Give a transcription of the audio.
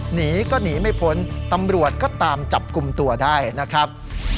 หนีก็หนีไม่พ้นตำรวจก็ตามจับกลุ่มตัวได้นะครับ